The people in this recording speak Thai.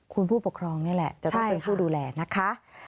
คุณผู้ปกครองนี่แหละจะต้องเป็นผู้ดูแลนะคะ